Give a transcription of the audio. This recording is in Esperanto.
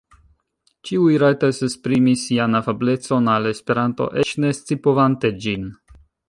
Ĉiuj rajtas esprimi sian afablecon al Esperanto eĉ ne scipovante ĝin.